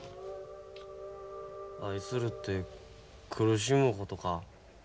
愛するって苦しむことか。